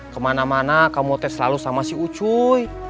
kemana mana kamu teh selalu sama si ucuy